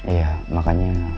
iya makanya kita merasa kalau